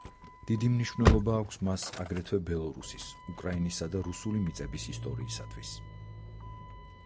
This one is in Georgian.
დიდი მნიშვნელობა აქვს მას აგრეთვე ბელორუსის, უკრაინისა და რუსული მიწების ისტორიისათვის.